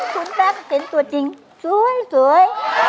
คุณแม่ก็เห็นตัวจริงสวยสวย